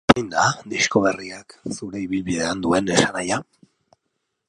Zein da disko berriak zure ibilbidean duen esanahia?